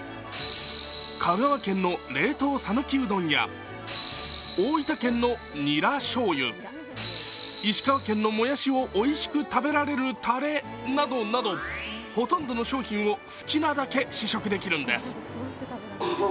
香川県の冷凍さぬきうどんや大分県のニラ醤油、石川県のもやしを美味しく食べられるたれなどなどほとんどの商品を好きなだけ試食できるんです。